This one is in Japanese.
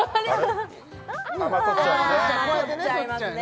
取とっちゃうよね